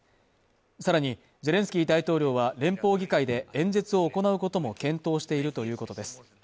さらにゼレンスキー大統領は連邦議会で演説を行うことも検討しているということです